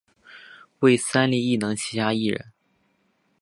为三立艺能旗下艺人。